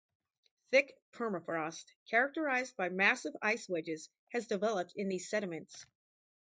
Thick permafrost characterized by massive ice wedges has developed in these sediments.